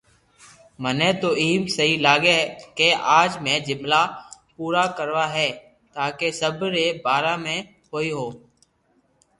مني تو ايم سھي لاگي ڪي اج سب جملا پئرا ڪروا ھي تاڪي سب ري ڀآرو ھوئي ھگو